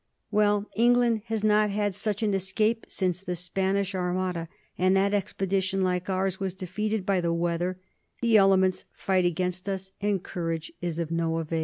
... Well, England has not had such an escape since the Spanish Armada; and that expedition, like ours, was defeated by the weather; the elements fight against us, and courage is of no avail."